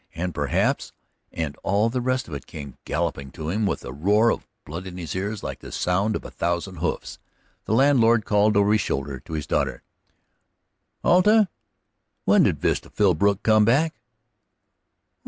and perhaps, and all the rest of it came galloping to him with a roar of blood in his ears like the sound of a thousand hoofs. The landlord called over his shoulder to his daughter: "Alta, when did Vesta Philbrook come back?"